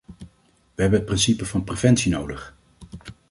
We hebben het principe van preventie nodig.